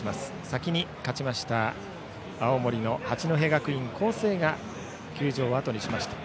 先に勝ちました青森の八戸学院光星が球場をあとにしました。